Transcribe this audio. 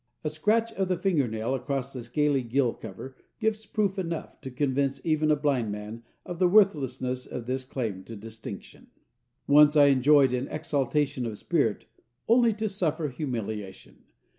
A scratch of the finger nail across the scaly gill cover gives proof enough to convince even a blind man of the worthlessness of this claim to distinction. Once I enjoyed an exaltation of spirit only to suffer humiliation.